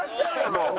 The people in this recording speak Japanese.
もう。